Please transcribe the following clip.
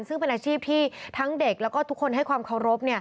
ซึ่งเป็นอาชีพที่ทั้งเด็กแล้วก็ทุกคนให้ความเคารพ